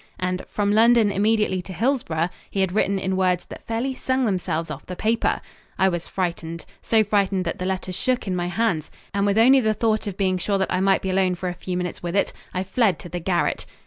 And "from London immediately to Hillsboro" he had written in words that fairly sung themselves off the paper. I was frightened so frightened that the letter shook in my hands, and with only the thought of being sure that I might be alone for a few minutes with it, I fled to the garret.